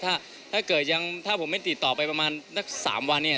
ถ้าเกิดยังถ้าผมไม่ติดต่อไปประมาณนัก๓วันเนี่ย